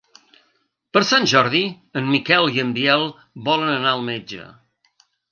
Per Sant Jordi en Miquel i en Biel volen anar al metge.